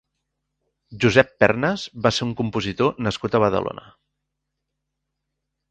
Josep Pernas va ser un compositor nascut a Badalona.